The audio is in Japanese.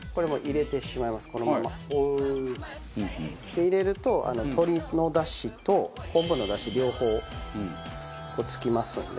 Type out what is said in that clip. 入れると鶏のだしと昆布のだし両方付きますので。